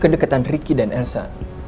kedekatan ricky dan elsa